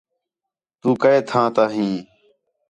تُو کَئے تھاں تا ھیں